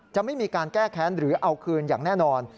จะไม่มีการแก้แค้นหรือเอาคืนอย่างแน่นอน